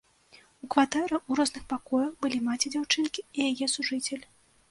У кватэры ў розных пакоях былі маці дзяўчынкі і яе сужыцель.